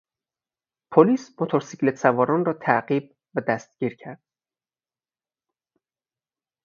پلیس موتور سیکلت سواران را تعقیب و دستگیر کرد.